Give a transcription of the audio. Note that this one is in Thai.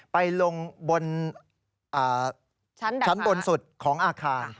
ไปลงบนชั้นบนสุดของอาคาร